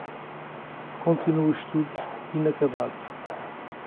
Continue estudos inacabados